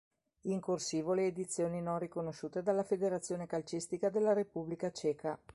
In "corsivo" le edizioni non riconosciute dalla federazione calcistica della Repubblica Ceca.